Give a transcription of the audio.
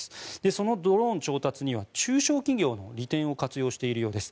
そのドローン調達には中小企業の利点を活用しているようです。